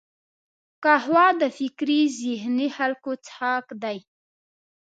قهوه د فکري ذهیني خلکو څښاک دی